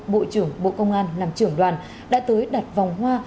bộ trưởng bộ công an làm trưởng đoàn đã tới đặt vòng hoa